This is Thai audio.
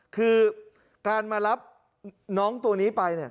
คือการมารับน้องตัวนี้ไป